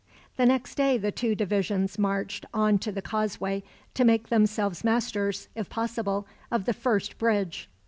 The next day the two divisions marched on to the causeway to make themselves masters, if possible, of the first bridge.